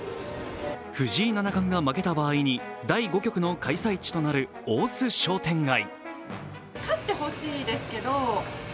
藤井七冠が負けた場合に第５局の開催地となる大須商店街。